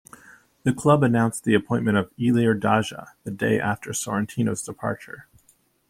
The club announced the appointment of Ilir Daja the day after Sorrentino's departure.